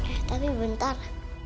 eh tapi bentar